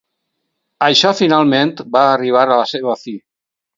Això finalment va arribar a la seva fi.